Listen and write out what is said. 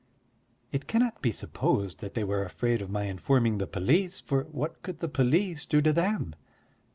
It cannot be supposed that they were afraid of my informing the police; for what could the police do to them?